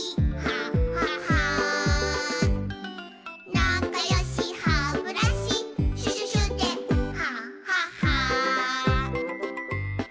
「なかよしハブラシシュシュシュでハハハ」